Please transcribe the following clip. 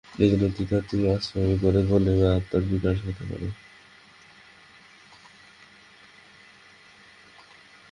এইজন্য তীর্থাদি আশ্রয় করে কালে আত্মার বিকাশ হতে পারে।